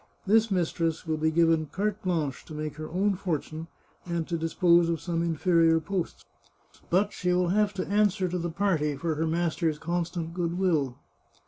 This mistress will be given ' carte blanche ' to make her own fortune, and to dis pose of some inferior posts. But she will have to answer to the party for her master's constant goodwill.